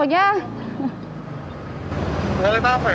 ờ ba khỏe mạnh không có đề kỳ nhé